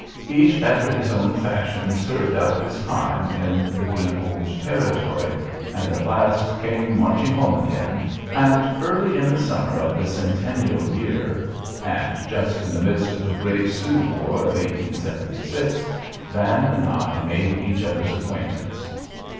Each after his own fashion served out his time in the grim old Territory, and at last "came marching home again;" and early in the summer of the Centennial year, and just in the midst of the great Sioux war of 1876, Van and I made each other's acquaintance.